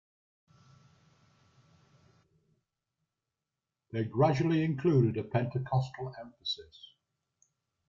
They gradually included a pentecostal emphasis.